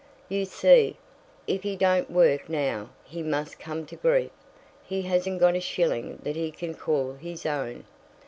"You see, if he don't work now he must come to grief. He hasn't got a shilling that he can call his own."